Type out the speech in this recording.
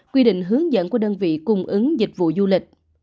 quy định hướng dẫn của đơn vị cung ứng dịch vụ du lịch